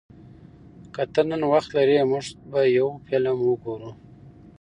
که ته نن وخت لرې، موږ به یو فلم وګورو.